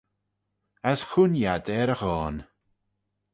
As chooinee ad er e ghoan.